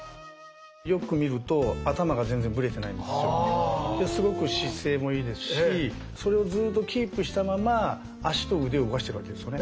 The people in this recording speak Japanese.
よく見るとすごく姿勢もいいですしそれをずっとキープしたまま足と腕を動かしてるわけですよね。